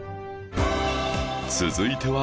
続いては